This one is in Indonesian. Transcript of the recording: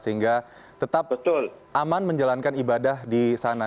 sehingga tetap aman menjalankan ibadah di sana